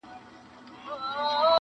آفتونو پكښي كړي ځالګۍ دي؛